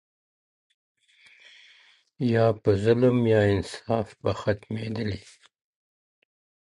یا په ظلم یا انصاف به ختمېدلې -